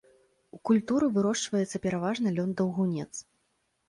У культуры вырошчваецца пераважна лён-даўгунец.